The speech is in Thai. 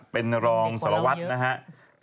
เป็นรองหลวงสวทวศ